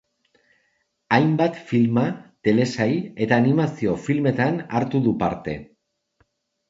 Hainbat filma, telesail eta animazio filmetan hartu du parte.